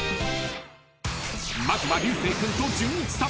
［まずは流星君とじゅんいちさん］